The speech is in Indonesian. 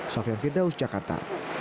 sofian firdaus jakarta